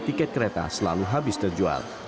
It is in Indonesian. tiket kereta selalu habis terjual